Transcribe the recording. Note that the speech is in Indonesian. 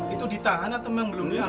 itu ditahan atau memang belum lihat